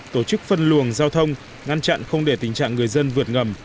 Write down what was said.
tổ chức phân luồng giao thông ngăn chặn không để tình trạng người dân vượt ngầm